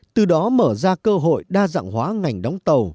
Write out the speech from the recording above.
từ đó mở ra cơ hội đa dạng hóa ngành đóng tàu